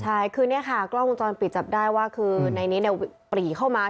ใช่คือเนี่ยค่ะกล้องวงจรปิดจับได้ว่าคือในนี้ปรีเข้ามา